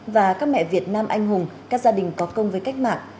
và các mẹ việt nam anh hùng các gia đình có công với cách mạng